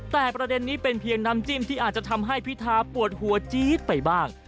แต่ประเด็นนี้เป็นเพียงน้ำจิ้มที่อาจจะทำให้พิธาปวดหัวจี๊ดไปบ้าง